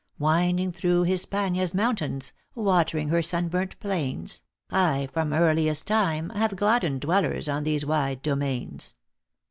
Winding through Hispania s mountains, Watering her sunburnt plains, I, from earliest time, have gladdened Dwellers on these wide domains.